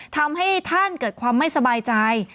ทำให้ท่านเกิดความไม่สบายใจ